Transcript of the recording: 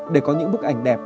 để có những bức ảnh đẹp